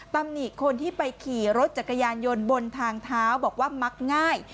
ตำหนิคนที่ไปขี่รถจักรยานยนต์บนทางเท้าบอกว่ามักง่าย